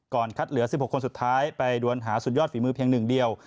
ก่อนคัดเหลือ๑๖คนสุดท้ายไปด้วยหาสุดยอดฝีมือเพียง๑เดียว